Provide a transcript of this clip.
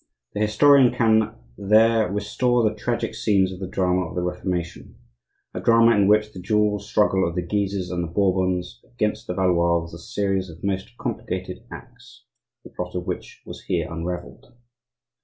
The historian can there restore the tragic scenes of the drama of the Reformation,—a drama in which the dual struggle of the Guises and of the Bourbons against the Valois was a series of most complicated acts, the plot of which was here unravelled.